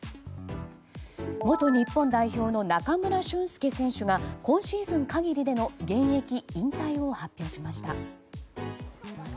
元日本代表の中村俊輔選手が今シーズン限りでの現役引退を発表しました。